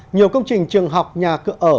nhiều công trình trường học nhà cửa ở